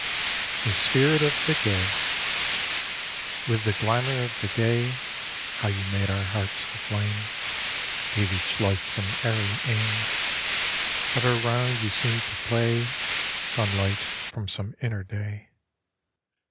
44 Spirit 0f tft* WITH the glamour of the Gay How you made our hearts to flame ; Gave each life some airy aim : Ever round you seemed to play Sunlight from some inner day.